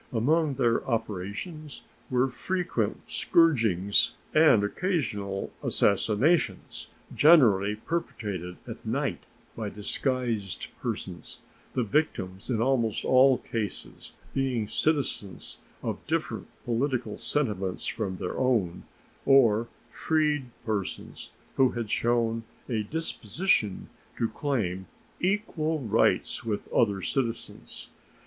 Among their operations were frequent scourgings and occasional assassinations, generally perpetrated at night by disguised persons, the victims in almost all cases being citizens of different political sentiments from their own or freed persons who had shown a disposition to claim equal rights with other citizens.